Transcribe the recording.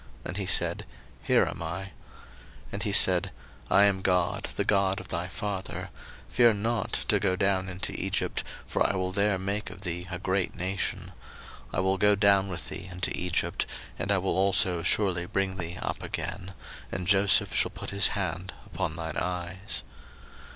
And he said, Here am I. 01:046:003 And he said, I am God, the God of thy father: fear not to go down into Egypt; for I will there make of thee a great nation: 01:046:004 I will go down with thee into Egypt; and I will also surely bring thee up again: and Joseph shall put his hand upon thine eyes.